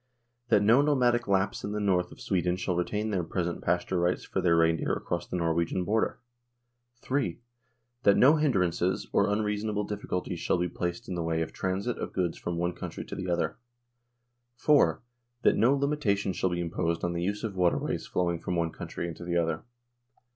That no nomadic Lapps in the North of Sweden shall retain their present pasture rights for their reindeer across the Norwegian border. 140 NORWAY AND THE UNION WITH SWEDEN III. That no hindrances or unreasonable diffi culties shall be placed in the way of transit of goods from one country to the other. IV. That no limitation shall be imposed on the use of waterways flowing from one country into the other.